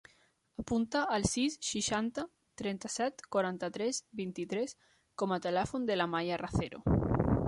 Apunta el sis, seixanta, trenta-set, quaranta-tres, vint-i-tres com a telèfon de la Maya Racero.